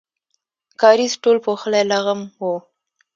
کاریز ټول پوښلی لغم و.